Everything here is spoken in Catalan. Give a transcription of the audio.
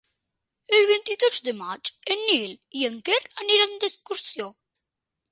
El vint-i-tres de maig en Nil i en Quer aniran d'excursió.